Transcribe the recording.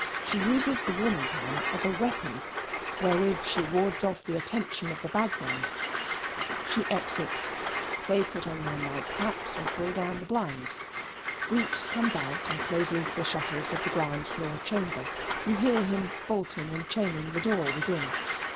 She uses the warming pan as a weapon wherewith she wards off the attention of the bagmen. She exits. They put on their night caps and pull down the blinds. Boots comes out and closes the shutters of the ground floor chamber. You hear him bolting and chaining the door within.